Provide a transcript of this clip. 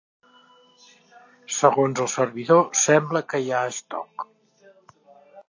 Segons el servidor sembla que hi ha stock.